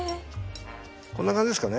こんな感じですかね。